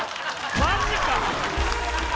マジか！